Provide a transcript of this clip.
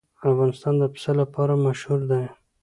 افغانستان د پسه لپاره مشهور دی.